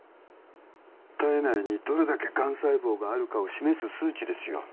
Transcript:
体内にどれだけがん細胞があるかを示す数値ですよ